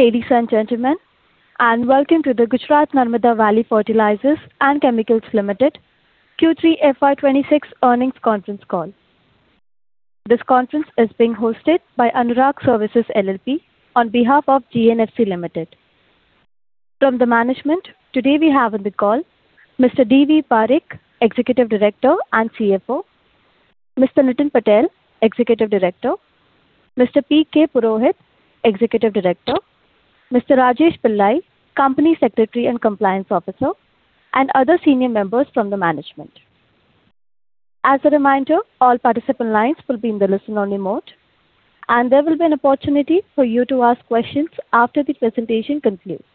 Good evening, ladies and gentlemen, and welcome to the Gujarat Narmada Valley Fertilizers and Chemicals Limited Q3 FY26 earnings conference call. This conference is being hosted by Anurag Services LLP on behalf of GNFC Limited. From the management, today we have on the call Mr. D. V. Parikh, Executive Director and CFO; Mr. Nitin Patel, Executive Director; Mr. P. K. Purohit, Executive Director; Mr. Rajesh Pillai, Company Secretary and Compliance Officer; and other senior members from the management. As a reminder, all participant lines will be in the listen-only mode, and there will be an opportunity for you to ask questions after the presentation concludes.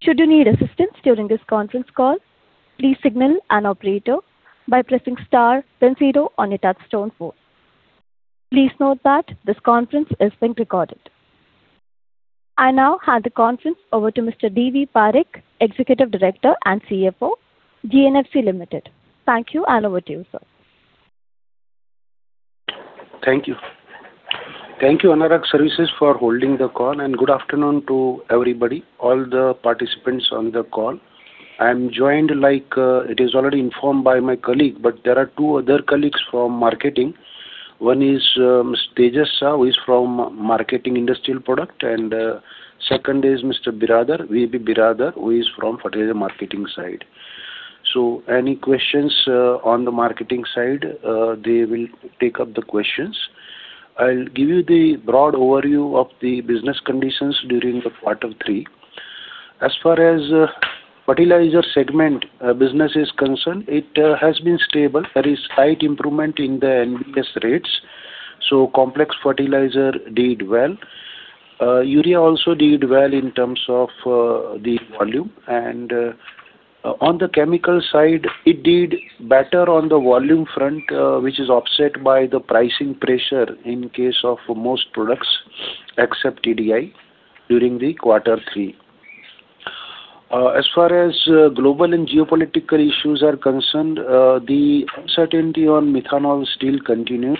Should you need assistance during this conference call, please signal an operator by pressing star, then zero on your touch-tone phone. Please note that this conference is being recorded. I now hand the conference over to Mr. D. V. Parikh, Executive Director and CFO, GNFC Limited. Thank you, and over to you, sir. Thank you. Thank you, Anurag Services, for holding the call, and good afternoon to everybody, all the participants on the call. I'm joined, like it is already informed, by my colleague, but there are two other colleagues from marketing. One is Mr. Tejas Shah, who is from marketing industrial product, and the second is Mr. V. B. Bhalara, who is from fertilizer marketing side. So any questions on the marketing side, they will take up the questions. I'll give you the broad overview of the business conditions during the quarter three. As far as fertilizer segment business is concerned, it has been stable. There is slight improvement in the NBS rates, so complex fertilizer did well. Urea also did well in terms of the volume. On the chemical side, it did better on the volume front, which is offset by the pricing pressure in case of most products except TDI during the quarter three. As far as global and geopolitical issues are concerned, the uncertainty on methanol still continues,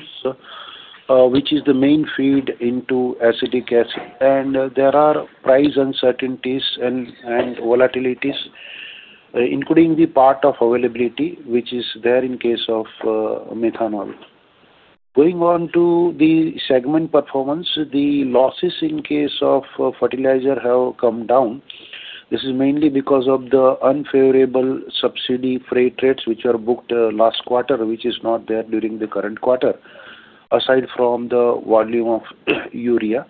which is the main feed into acetic acid. There are price uncertainties and volatilities, including the part of availability, which is there in case of methanol. Going on to the segment performance, the losses in case of fertilizer have come down. This is mainly because of the unfavorable subsidy freight rates, which are booked last quarter, which is not there during the current quarter, aside from the volume of urea.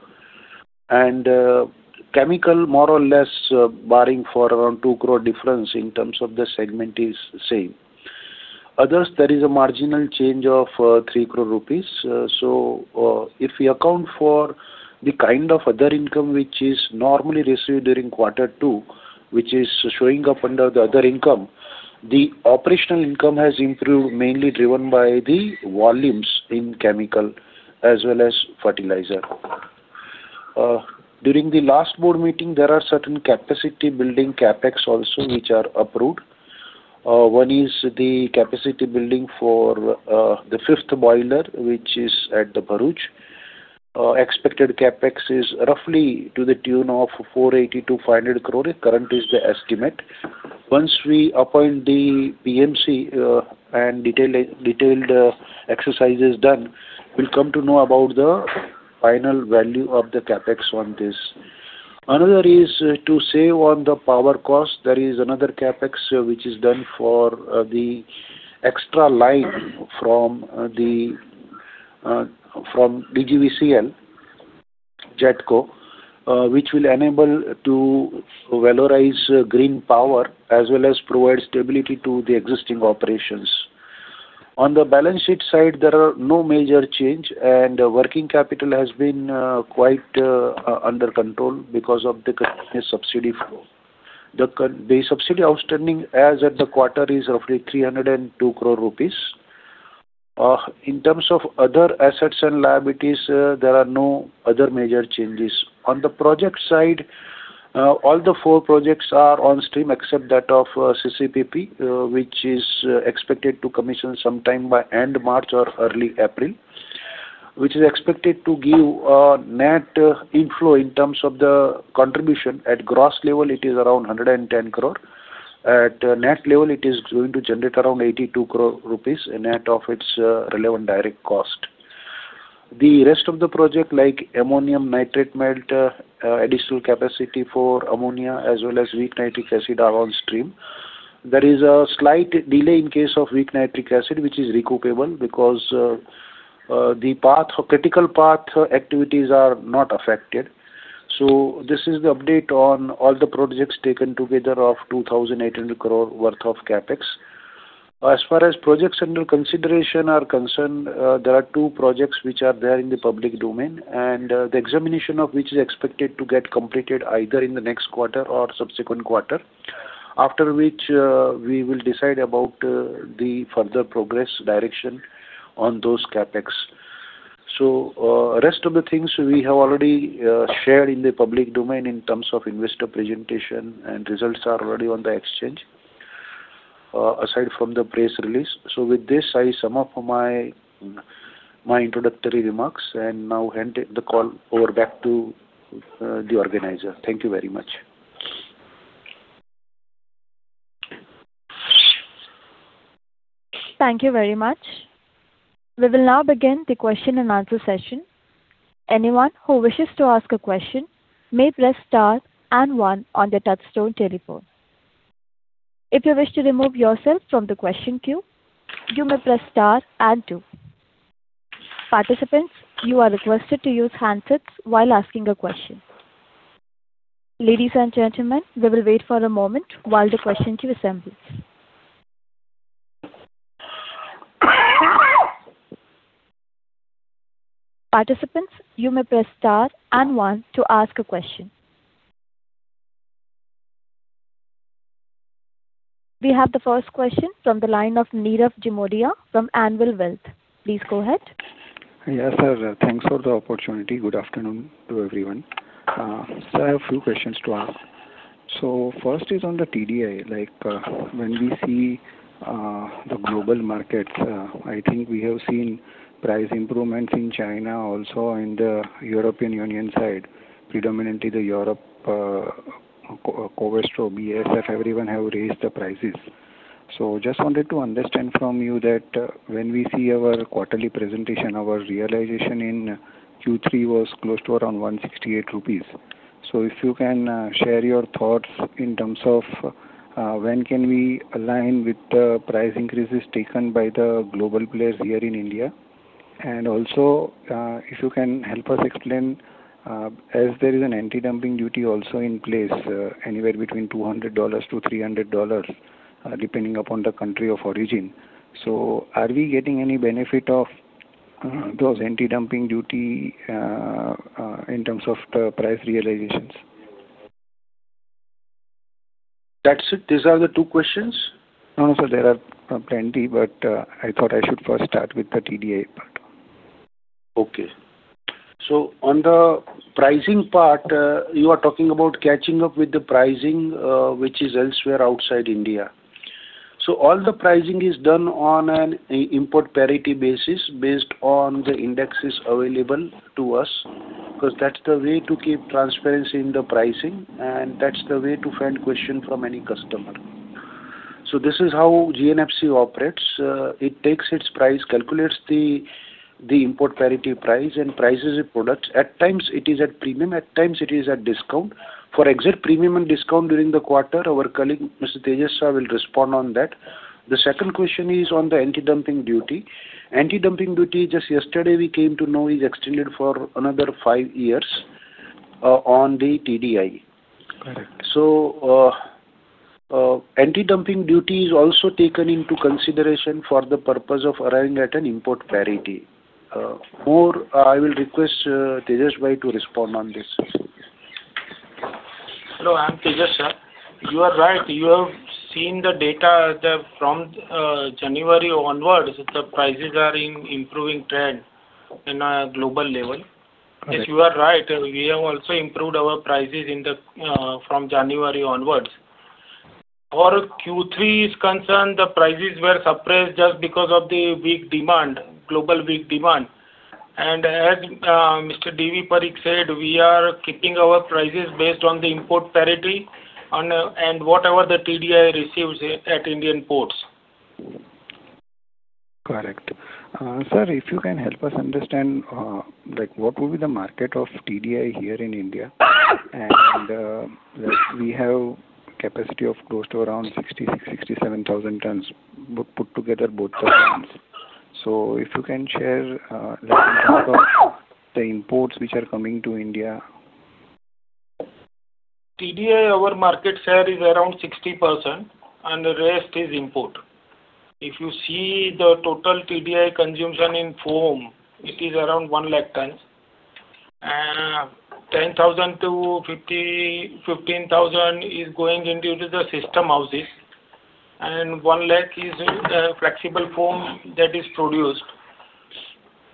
Chemical, more or less, barring for around 2 crore difference in terms of the segment is same. Others, there is a marginal change of 3 crore rupees. So if we account for the kind of other income, which is normally received during quarter two, which is showing up under the other income, the operational income has improved, mainly driven by the volumes in chemical as well as fertilizer. During the last board meeting, there are certain capacity-building CapEx also, which are approved. One is the capacity building for the fifth boiler, which is at the Bharuch. Expected CapEx is roughly to the tune of 480 crore-500 crore. Current is the estimate. Once we appoint the PMC and detailed exercises done, we'll come to know about the final value of the CapEx on this. Another is to save on the power cost. There is another CapEx, which is done for the extra line from DGVCL, GETCO, which will enable to valorize green power as well as provide stability to the existing operations. On the balance sheet side, there are no major changes, and working capital has been quite under control because of the subsidy flow. The subsidy outstanding as of the quarter is roughly 302 crore rupees. In terms of other assets and liabilities, there are no other major changes. On the project side, all the four projects are on stream except that of CCPP, which is expected to commission sometime by end March or early April, which is expected to give a net inflow in terms of the contribution. At gross level, it is around 110 crore. At net level, it is going to generate around 82 crore rupees net of its relevant direct cost. The rest of the project, like Ammonium Nitrate Melt, additional capacity for ammonia, as well as Weak Nitric Acid are on stream. There is a slight delay in case of weak nitric acid, which is recoupable because the critical path activities are not affected. So this is the update on all the projects taken together of 2,800 crore worth of CapEx. As far as projects under consideration are concerned, there are two projects which are there in the public domain, and the examination of which is expected to get completed either in the next quarter or subsequent quarter, after which we will decide about the further progress direction on those CapEx. So the rest of the things, we have already shared in the public domain in terms of investor presentation, and results are already on the exchange aside from the press release. So with this, I sum up my introductory remarks and now hand the call over back to the organizer. Thank you very much. Thank you very much. We will now begin the question-and-answer session. Anyone who wishes to ask a question may press star and one on their touch-tone telephone. If you wish to remove yourself from the question queue, you may press star and two. Participants, you are requested to use handsets while asking a question. Ladies and gentlemen, we will wait for a moment while the question queue assembles. Participants, you may press star and one to ask a question. We have the first question from the line of Nirav Jimudia from Anvil Wealth. Please go ahead. Yes, sir. Thanks for the opportunity. Good afternoon to everyone. So I have a few questions to ask. So first is on the TDI. When we see the global markets, I think we have seen price improvements in China also and the European Union side. Predominantly, the Europe, Covestro, BASF, everyone have raised the prices. So I just wanted to understand from you that when we see our quarterly presentation, our realization in Q3 was close to around 168 rupees. So if you can share your thoughts in terms of when can we align with the price increases taken by the global players here in India? And also, if you can help us explain, as there is an anti-dumping duty also in place anywhere between $200-$300 depending upon the country of origin, so are we getting any benefit of those anti-dumping duties in terms of the price realizations? That's it. These are the two questions? No, no, sir. There are plenty, but I thought I should first start with the TDI part. Okay. So on the pricing part, you are talking about catching up with the pricing, which is elsewhere outside India. So all the pricing is done on an import parity basis based on the indexes available to us because that's the way to keep transparency in the pricing, and that's the way to field questions from any customer. So this is how GNFC operates. It takes its price, calculates the import parity price, and prices the products. At times, it is at premium. At times, it is at discount. For the premium and discount during the quarter, our colleague, Mr. Tejas, will respond on that. The second question is on the anti-dumping duty. Anti-dumping duty, just yesterday, we came to know is extended for another five years on the TDI. So anti-dumping duty is also taken into consideration for the purpose of arriving at an import parity. More, I will request Tejasbhai to respond on this. Hello. I'm Tejas. You are right. You have seen the data from January onwards, the prices are in improving trend on a global level. Yes, you are right. We have also improved our prices from January onwards. For Q3 is concerned, the prices were suppressed just because of the weak demand, global weak demand. And as Mr. D. V. Parikh said, we are keeping our prices based on the import parity and whatever the TDI receives at Indian ports. Correct. Sir, if you can help us understand, what will be the market of TDI here in India? And we have capacity of close to around 66,000-67,000 tons, put together both the lines. So if you can share in terms of the imports which are coming to India. TDI, our market share is around 60%, and the rest is import. If you see the total TDI consumption in foam, it is around 100,000 tons. 10,000-15,000 is going into the system houses, and 100,000 is flexible foam that is produced.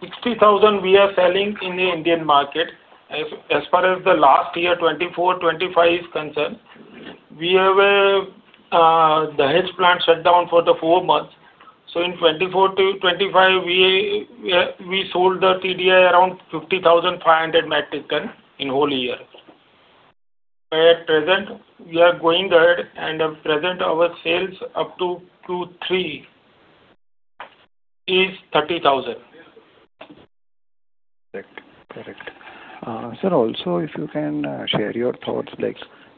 60,000 we are selling in the Indian market. As far as the last year, 2024, 2025 is concerned, we have the hedge plant shut down for the four months. So in 2024 to 2025, we sold the TDI around 50,500 metric tons in the whole year. At present, we are going ahead, and at present, our sales up to Q3 is 30,000. Correct. Correct. Sir, also, if you can share your thoughts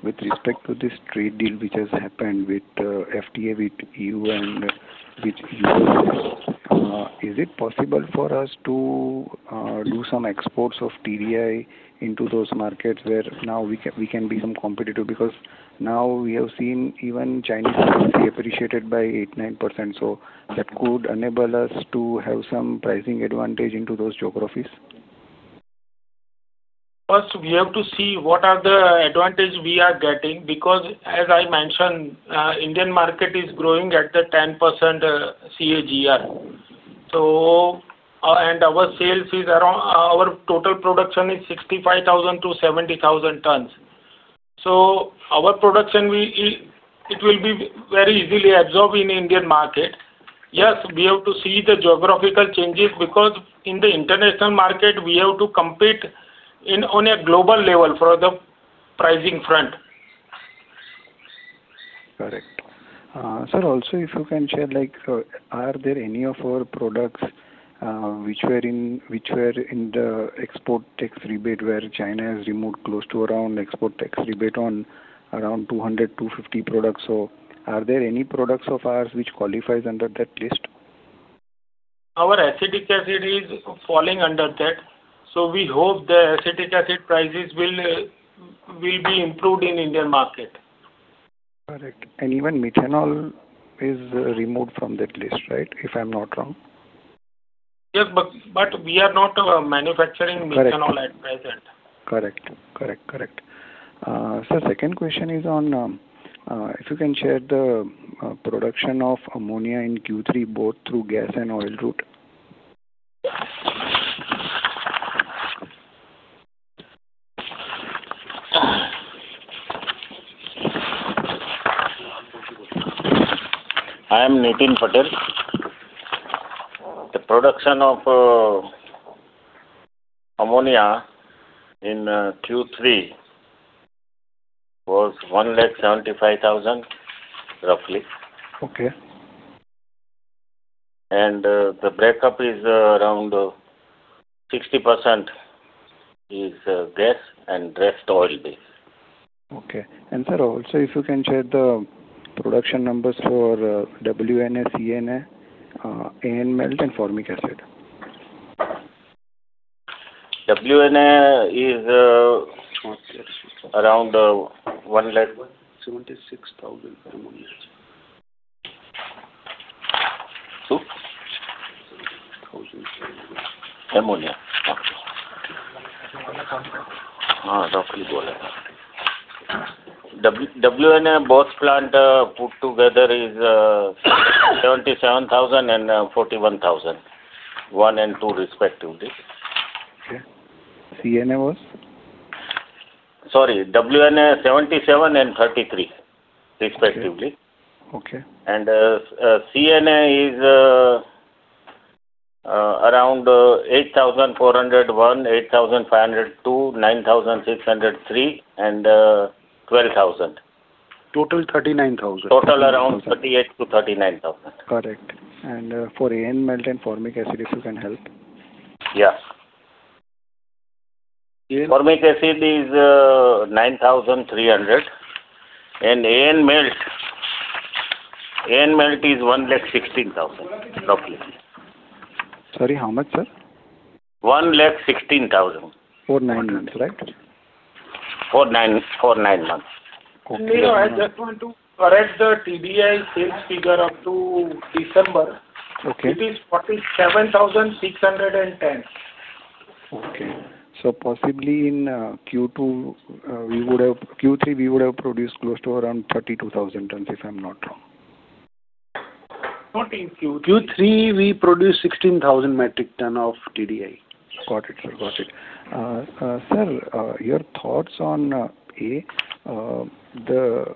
with respect to this trade deal which has happened with FTA, with E.U., and with U.S., is it possible for us to do some exports of TDI into those markets where now we can be some competitive? Because now we have seen even Chinese appreciated by 8%-9%. So that could enable us to have some pricing advantage into those geographies. First, we have to see what are the advantages we are getting because, as I mentioned, the Indian market is growing at the 10% CAGR. Our total production is 65,000-70,000 tons. Our production, it will be very easily absorbed in the Indian market. Yes, we have to see the geographical changes because in the international market, we have to compete on a global level for the pricing front. Correct. Sir, also, if you can share, are there any of our products which were in the export tax rebate where China has removed close to around export tax rebate on around 200, 250 products? So are there any products of ours which qualify under that list? Our acetic acid is falling under that. So we hope the acetic acid prices will be improved in the Indian market. Correct. And even methanol is removed from that list, right, if I'm not wrong? Yes, but we are not manufacturing methanol at present. Correct. Correct. Correct. Sir, second question is on if you can share the production of ammonia in Q3 both through gas and oil route. I am Nitin Patel. The production of ammonia in Q3 was 175,000 roughly. The breakup is around 60% is gas and rest oil-based. Okay. And sir, also, if you can share the production numbers for WNA, CNA, AN Melt, and Formic Acid. WNA is around 1 lakh. 76,000 ammonia. 2? 1,750. Ammonia. Okay. Roughly. Roughly ballpark. WNA both plants put together is 77,000 and 41,000, one and two respectively. Okay. CNA was? Sorry. WNA 77 and 33 respectively. CNA is around 8,401, 8,502, 9,603, and 12,000. Total 39,000. Total around 38,000-39,000. Correct. And for AN Melt and Formic Acid, if you can help? Yes. Formic acid is 9,300. And AN melt is 116,000 roughly. Sorry, how much, sir? 1,16,000. For nine months, right? For nine months. Nirav, I just want to correct the TDI sales figure up to December. It is 47,610. Okay. So possibly in Q3, we would have produced close to around 32,000 tons, if I'm not wrong. Not in Q3. Q3, we produced 16,000 metric tons of TDI. Got it, sir. Got it. Sir, your thoughts on, A, the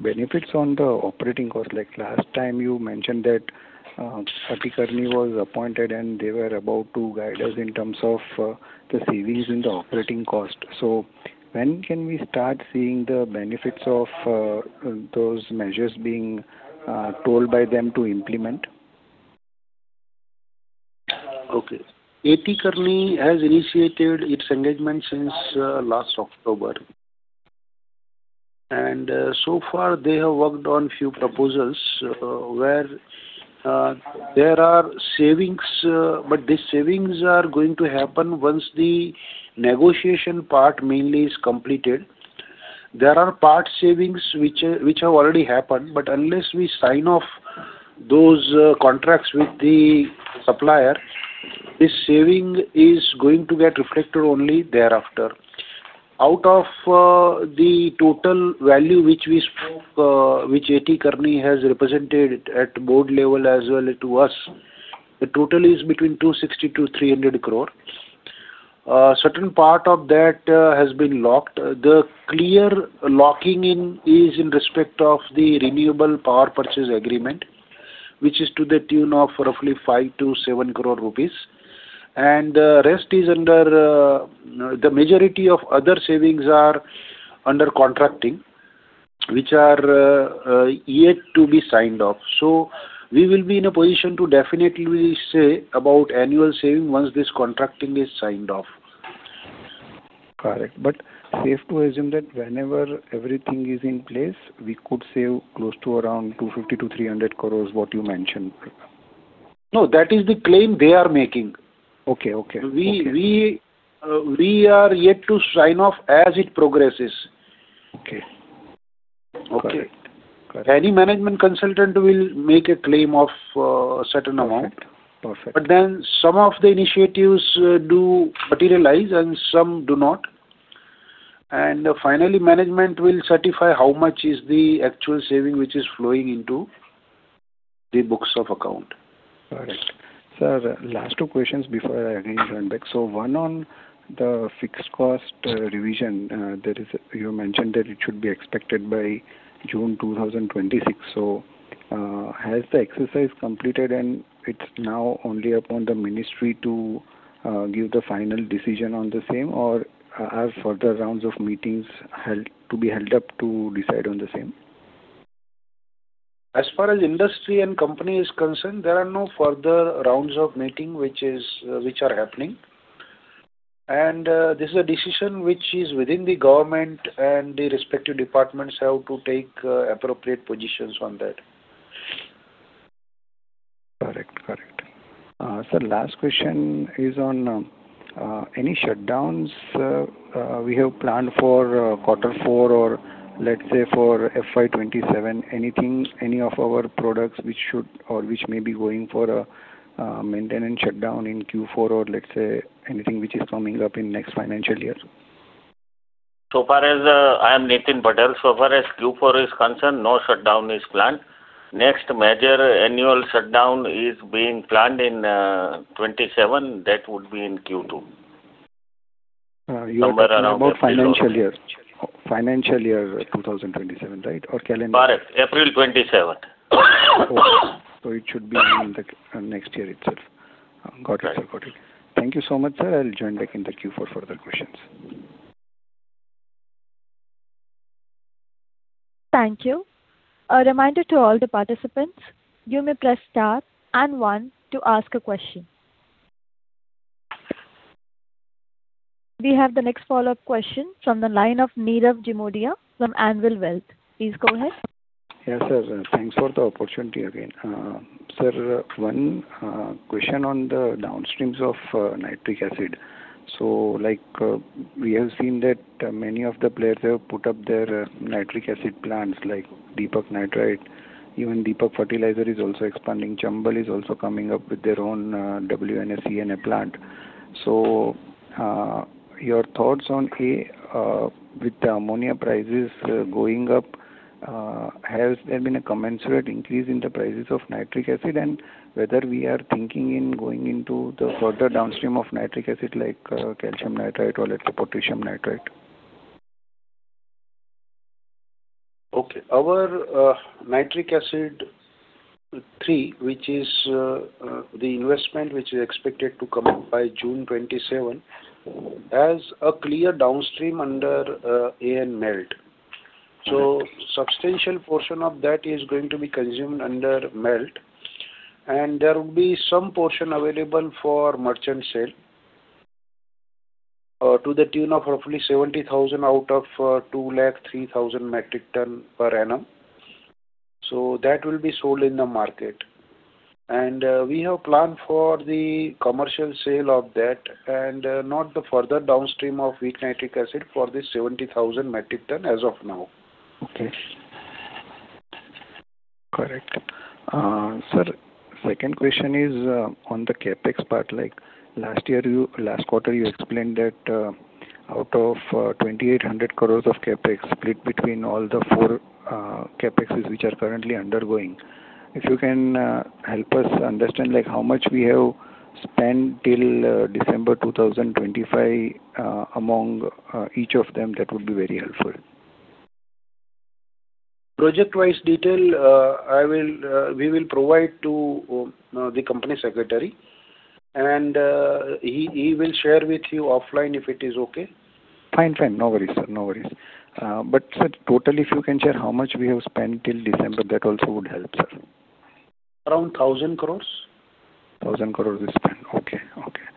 benefits on the operating cost? Last time, you mentioned that Kearney was appointed, and they were about to guide us in terms of the savings in the operating cost. So when can we start seeing the benefits of those measures being told by them to implement? Okay. Kearney has initiated its engagement since last October. So far, they have worked on a few proposals where there are savings, but these savings are going to happen once the negotiation part mainly is completed. There are part savings which have already happened, but unless we sign off those contracts with the supplier, this saving is going to get reflected only thereafter. Out of the total value which Kearney has represented at board level as well to us, the total is between 260-300 crore. Certain part of that has been locked. The clear locking is in respect of the renewable power purchase agreement, which is to the tune of roughly 5-7 crore rupees. The rest is under the majority of other savings are under contracting, which are yet to be signed off. We will be in a position to definitely say about annual savings once this contract is signed off. Correct. But safe to assume that whenever everything is in place, we could save close to around 250 crore-300 crore, what you mentioned? No, that is the claim they are making. Okay. Okay. We are yet to sign off as it progresses. Okay. Okay. Correct. Any management consultant will make a claim of a certain amount. Some of the initiatives do materialize, and some do not. Finally, management will certify how much is the actual saving which is flowing into the books of account. Correct. Sir, last two questions before I again join back. So one on the fixed cost revision. You mentioned that it should be expected by June 2026. So has the exercise completed, and it's now only upon the ministry to give the final decision on the same, or are further rounds of meetings to be held up to decide on the same? As far as industry and company is concerned, there are no further rounds of meetings which are happening. This is a decision which is within the government, and the respective departments have to take appropriate positions on that. Correct. Correct. Sir, last question is on any shutdowns we have planned for quarter four or, let's say, for FY27, any of our products which may be going for a maintenance shutdown in Q4 or, let's say, anything which is coming up in next financial year? As far as I, Nitin Patel, as far as Q4 is concerned, no shutdown is planned. Next major annual shutdown is being planned in 2027. That would be in Q2. You're talking about financial year. Financial year 2027, right, or calendar? Correct. April 27th. It should be in the next year itself. Got it, sir. Got it. Thank you so much, sir. I'll join back in the Q4 for other questions. Thank you. A reminder to all the participants, you may press star and one to ask a question. We have the next follow-up question from the line of Nirav Jimudia from Anvil Wealth. Please go ahead. Yes, sir. Thanks for the opportunity again. Sir, one question on the downstreams of nitric acid. So we have seen that many of the players have put up their nitric acid plants like Deepak Nitrite. Even Deepak Fertilisers is also expanding. Chambal is also coming up with their own WNA CNA plant. So your thoughts on, A, with the ammonia prices going up, has there been a commensurate increase in the prices of nitric acid and whether we are thinking in going into the further downstream of nitric acid like calcium nitrite or potassium nitrite? Okay. Our nitric acid three, which is the investment which is expected to come by June 27, has a clear downstream under AN melt. So a substantial portion of that is going to be consumed under melt. And there would be some portion available for merchant sale to the tune of roughly 70,000 out of 203,000 metric tons per annum. So that will be sold in the market. And we have planned for the commercial sale of that and not the further downstream of weak nitric acid for this 70,000 metric tons as of now. Okay. Correct. Sir, second question is on the CapEx part. Last quarter, you explained that out of 2,800 crore of CapEx split between all the four CapExes which are currently undergoing. If you can help us understand how much we have spent till December 2025 among each of them, that would be very helpful. project-wise detail, we will provide to the Company Secretary. He will share with you offline if it is okay. Fine. Fine. No worries, sir. No worries. But sir, totally, if you can share how much we have spent till December, that also would help, sir. Around 1,000 crore. 1,000 crore is spent. Okay. Okay.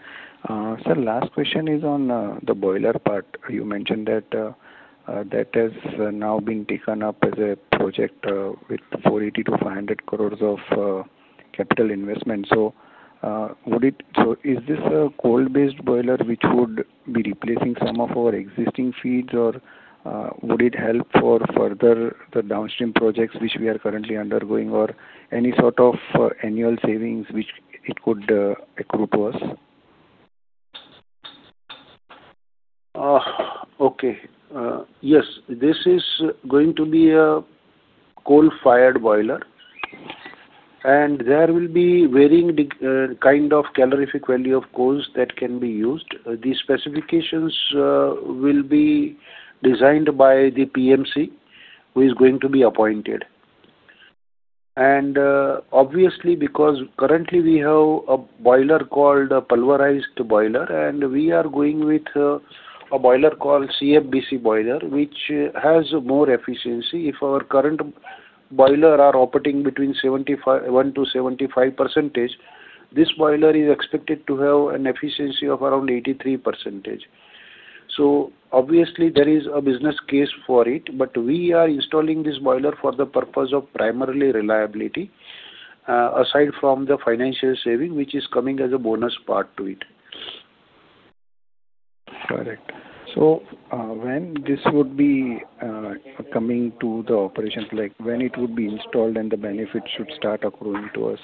Sir, last question is on the boiler part. You mentioned that that has now been taken up as a project with 480 crore-500 crore of capital investment. So is this a coal-based boiler which would be replacing some of our existing feeds, or would it help for further the downstream projects which we are currently undergoing, or any sort of annual savings which it could accrue to us? Okay. Yes. This is going to be a coal-fired boiler. There will be varying kind of calorific value of coals that can be used. The specifications will be designed by the PMC who is going to be appointed. Obviously, because currently, we have a boiler called a pulverized boiler, and we are going with a boiler called CFBC boiler which has more efficiency. If our current boiler is operating between 1%-75%, this boiler is expected to have an efficiency of around 83%. Obviously, there is a business case for it, but we are installing this boiler for the purpose of primarily reliability aside from the financial saving which is coming as a bonus part to it. Correct. So when this would be coming to the operations, when it would be installed, and the benefits should start accruing to us?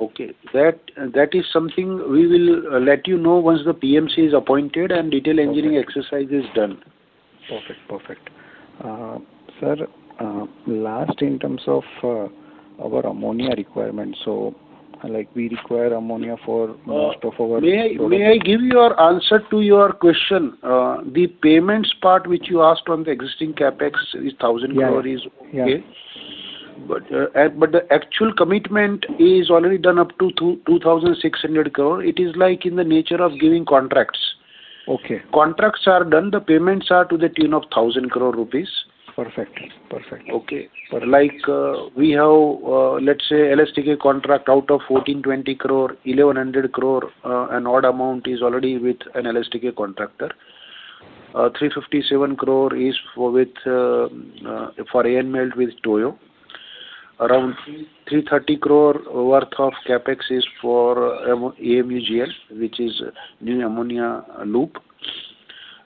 Okay. That is something we will let you know once the PMC is appointed and detail engineering exercise is done. Perfect. Perfect. Sir, last in terms of our ammonia requirement, so we require ammonia for most of our Q4. May I give your answer to your question? The payments part which you asked on the existing CapEx is 1,000 crore, okay? But the actual commitment is already done up to 2,600 crore. It is like in the nature of giving contracts. Contracts are done. The payments are to the tune of 1,000 crore rupees. Perfect. Perfect. Okay. We have, let's say, LSTK contract out of 1,420 crore. 1,100 crore, an odd amount is already with an LSTK contractor. 357 crore is for AN melt with Toyo. Around 330 crore worth of CapEx is for AMUGL, which is new ammonia loop. And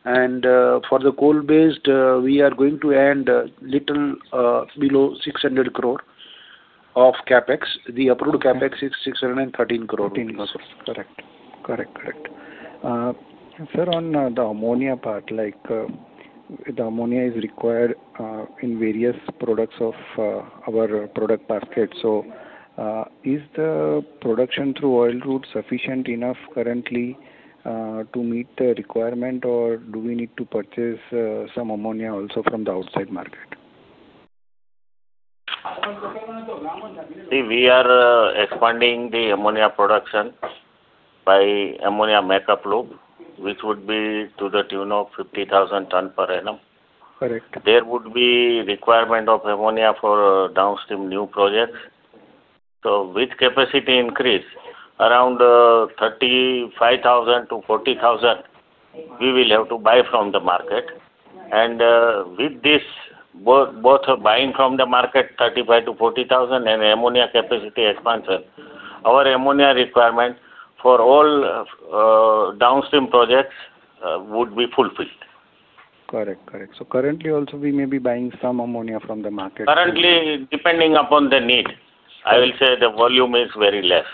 for the coal-based, we are going to end a little below 600 crore of CapEx. The approved CapEx is 613 crore. 13 crore. Correct. Correct. Correct. Sir, on the ammonia part, the ammonia is required in various products of our product basket. So is the production through oil route sufficient enough currently to meet the requirement, or do we need to purchase some ammonia also from the outside market? See, we are expanding the ammonia production by ammonia make-up loop, which would be to the tune of 50,000 tons per annum. Correct. There would be a requirement of ammonia for downstream new projects. So with capacity increase, around 35,000-40,000, we will have to buy from the market. And with both buying from the market, 35,000-40,000, and ammonia capacity expansion, our ammonia requirement for all downstream projects would be fulfilled. Correct. Correct. So currently, also, we may be buying some ammonia from the market. Currently, depending upon the need, I will say the volume is very less.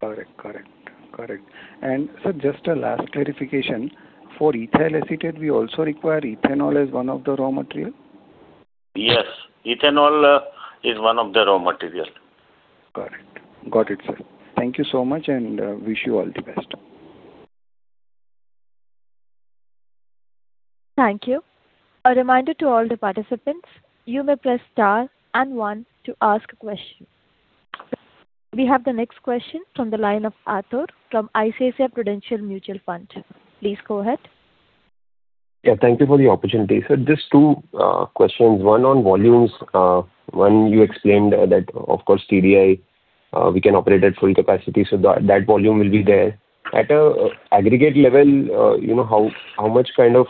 Correct. Correct. Correct. And sir, just a last clarification, for Ethyl Acetate, we also require Ethanol as one of the raw materials? Yes. Ethanol is one of the raw materials. Correct. Got it, sir. Thank you so much, and wish you all the best. Thank you. A reminder to all the participants, you may press star and one to ask a question. We have the next question from the line of Atharva Bhide from ICICI Prudential Mutual Fund. Please go ahead. Yeah. Thank you for the opportunity, sir. Just two questions. One on volumes. One, you explained that, of course, TDI, we can operate at full capacity. So that volume will be there. At an aggregate level, how much kind of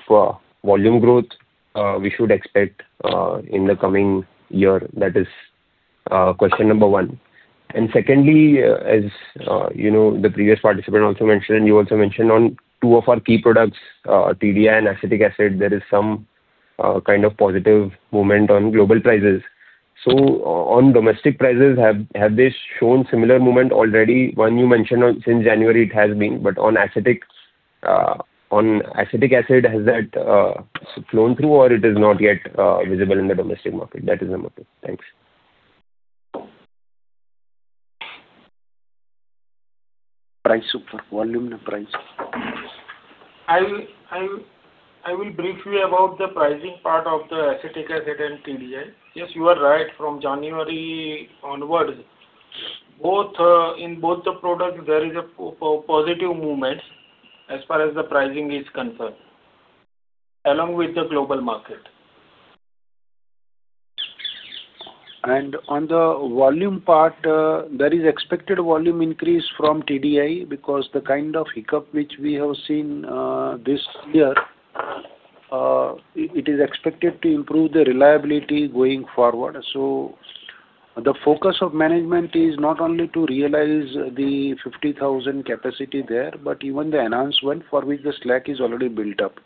volume growth we should expect in the coming year, that is question number one. And secondly, as the previous participant also mentioned, and you also mentioned, on two of our key products, TDI and acetic acid, there is some kind of positive movement on global prices. So on domestic prices, have they shown similar movement already? One, you mentioned since January, it has been. But on acetic acid, has that flown through, or it is not yet visible in the domestic market? That is the matter. Thanks. Price for volume and price. I will brief you about the pricing part of the acetic acid and TDI. Yes, you are right. From January onwards, in both the products, there is a positive movement as far as the pricing is concerned, along with the global market. On the volume part, there is expected volume increase from TDI because the kind of hiccup which we have seen this year, it is expected to improve the reliability going forward. The focus of management is not only to realize the 50,000 capacity there, but even the announcement for which the SLAC is already built up.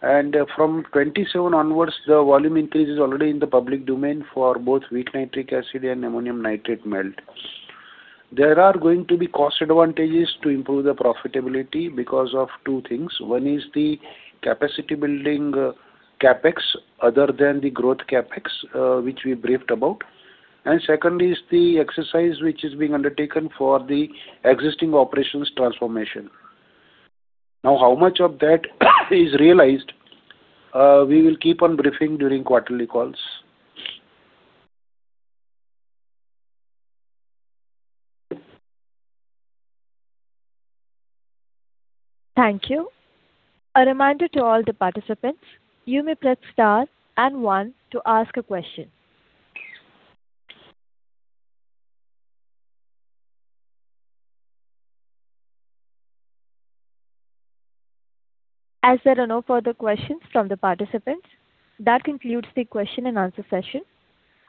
From 2027 onwards, the volume increase is already in the public domain for both weak nitric acid and ammonium nitrate melt. There are going to be cost advantages to improve the profitability because of two things. One is the capacity-building CapEx other than the growth CapEx which we briefed about. Secondly, is the exercise which is being undertaken for the existing operations transformation. Now, how much of that is realized, we will keep on briefing during quarterly calls. Thank you. A reminder to all the participants, you may press star and one to ask a question. As there are no further questions from the participants, that concludes the question-and-answer session.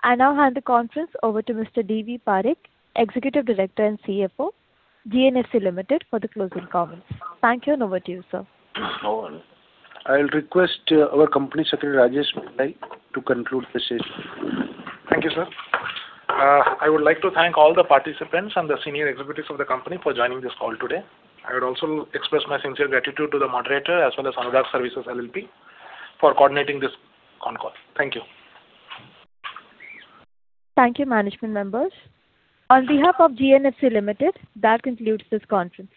I now hand the conference over to Mr. D.V. Parikh, Executive Director and CFO, GNFC Limited, for the closing comments. Thank you, and over to you, sir. No worries. I'll request our Company Secretary, Rajesh Pillai, to conclude the session. Thank you, sir. I would like to thank all the participants and the senior executives of the company for joining this call today. I would also express my sincere gratitude to the moderator as well as Anurag Services LLP for coordinating this conference. Thank you. Thank you, management members. On behalf of GNFC Limited, that concludes this conference.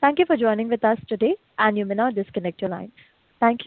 Thank you for joining with us today, and you may now disconnect your line. Thank you.